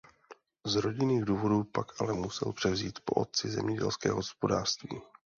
Z rodinných důvodů pak ale musel převzít po otci zemědělské hospodářství.